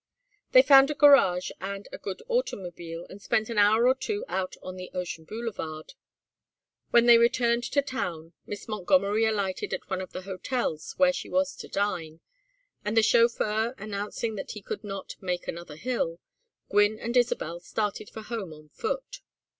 They found a garage and a good automobile, and spent an hour or two out on the ocean boulevard. When they returned to town, Miss Montgomery alighted at one of the hotels where she was to dine; and, the chauffeur announcing that he could not "make another hill," Gwynne and Isabel started for home on foot.